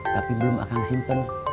tapi belum akang siap